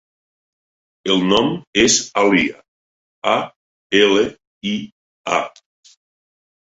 El nom és Alia: a, ela, i, a.